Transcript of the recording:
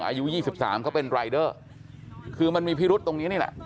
อายุ๒๓เขาเป็นรายเดอร์คือมันมีพิรุษตรงนี้นี่แหละ